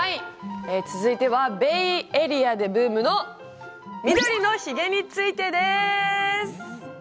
続いてはベイエリアでブームの緑のひげについてです。